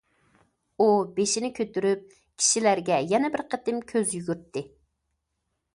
ئۇ بېشىنى كۆتۈرۈپ كىشىلەرگە يەنە بىر قېتىم كۆز يۈگۈرتتى.